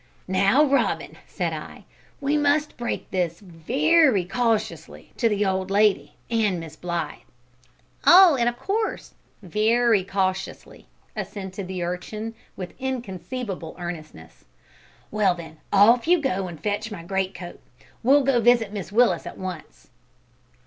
"Now, Robin," said I, "we must break this very cautiously to the old lady and Miss Blythe." "Oh, in course we r y cautiously," assented the urchin, with inconceivable earnestness. "Well, then, off you go and fetch my greatcoat. We'll go visit Mrs Willis at once."